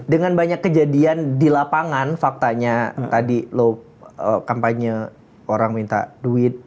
dengan banyak kejadian di lapangan faktanya tadi loh kampanye orang minta duit